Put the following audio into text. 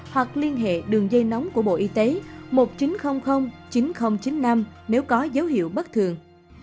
hoặc liên hệ đường dây nóng của bộ y tế một nghìn chín trăm linh chín nghìn chín mươi năm nếu có dấu hiệu bất thường